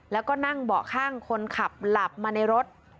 แล้วก็นั่งเบาะข้างคนขับหลับมาในรถ